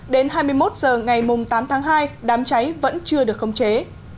đến hai mươi một h ngày tám tháng hai đám cháy